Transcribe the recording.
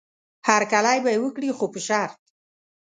هرکلی به یې وکړي خو په شرط.